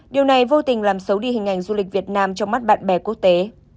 điều này vô tình làm xấu đi hình ảnh du lịch việt nam trong mắt bạn bè quốc tế